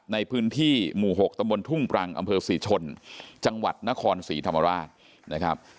ในพื้นที่หมู่๖ตำบลทุ่งปรังอำเภอศรีชนจังหวัดนครศรีธรรมราชนะครับ